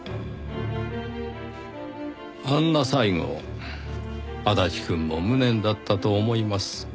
「あんな最期足立くんも無念だったと思います」。